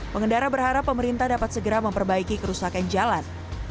pengendara berharap pemerintah dapat segera memperbaiki kerusakan jalan